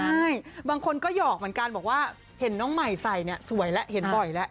ใช่บางคนก็หยอกเหมือนกันบอกว่าเห็นน้องใหม่ใส่เนี่ยสวยแล้วเห็นบ่อยแล้ว